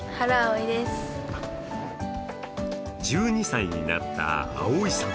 １２歳になった愛葵さん。